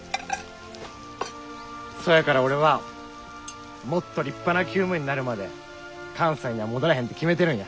そやから俺はもっと立派な厩務員になるまで関西には戻らへんって決めてるんや。